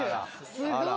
すごい。